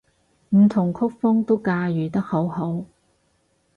唔同曲風都駕馭得好好